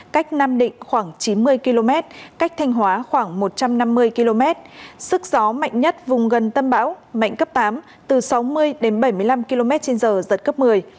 cách nam định khoảng chín mươi km cách thanh hóa khoảng một trăm năm mươi km sức gió mạnh nhất vùng gần tâm bão mạnh cấp tám từ sáu mươi đến bảy mươi năm km trên giờ giật cấp một mươi